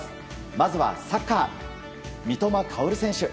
まずはサッカー三笘薫選手。